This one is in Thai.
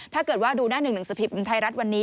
ถ้าเกิดว่าดูหน้า๑๑สภิพธรรมไทยรัฐวันนี้